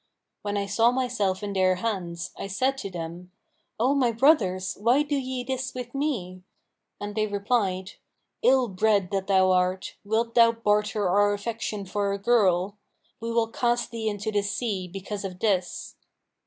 When I saw myself in their hands, I said to them, 'O my brothers, why do ye this with me?' And they replied, 'Ill bred that thou art, wilt thou barter our affection for a girl?; we will cast thee into the sea, because of this.'